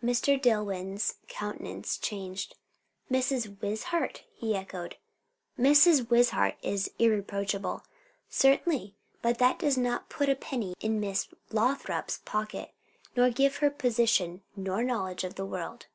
Mr. Dillwyn's countenance changed. "Mrs. Wishart!" he echoed. "Mrs. Wishart is irreproachable." "Certainly, but that does not put a penny in Miss Lothrop's pocket, nor give her position, nor knowledge of the world."